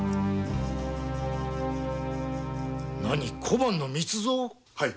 小判の密造！？